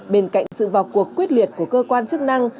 bên cạnh sự vào cuộc quyết liệt của cơ quan chức năng